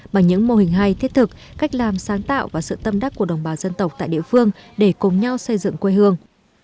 bằng những mô hình hay thiết thực cách làm sáng tạo và sự tâm đắc của đồng bào dân tộc tại địa phương để cùng nhau xây dựng quê hương